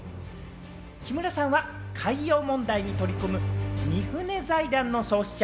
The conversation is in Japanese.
木村さんは海洋問題に取り組むミフネ財団の創始者